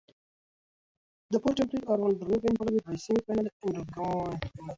The four teams played a round-robin followed by semi-finals and a grand final.